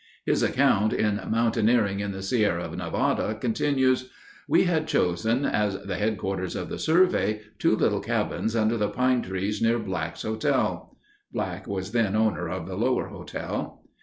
His account, in Mountaineering in the Sierra Nevada, continues: We had chosen, as the head quarters of the survey, two little cabins under the pine trees near Black's Hotel. [Black was then owner of the Lower Hotel.